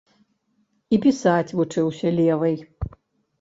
І пісаць вучыўся левай.